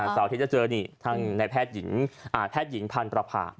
สาวที่จะเจอนี่ทางแพทยิงพันธุ์ประผ่า